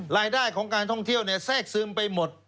รายได้ของการท่องเที่ยวแทรกซึมไปหมด